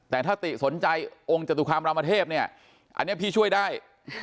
แต่ถ้าติสนใจองค์จตุคามรามเทพเนี่ยอันนี้พี่ช่วยได้